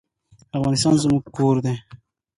افغانستان زما کور دی